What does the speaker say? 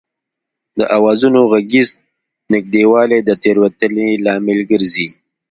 د آوازونو غږیز نږدېوالی د تېروتنې لامل ګرځي